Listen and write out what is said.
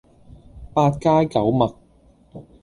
八街九陌